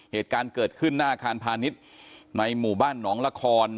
เหตุการณ์เกิดขึ้นหน้าอาคารพาณิชย์ในหมู่บ้านหนองละคร